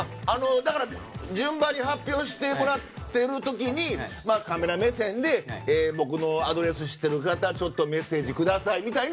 だから、順番に発表してもらっている時にカメラ目線で、僕のアドレス知ってる方、ちょっとメッセージくださいみたいな。